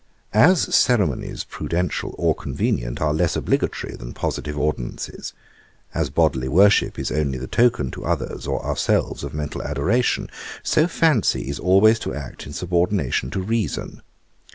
As ceremonies prudential or convenient are less obligatory than positive ordinances, as bodily worship is only the token to others or ourselves of mental adoration, so Fancy is always to act in subordination to Reason.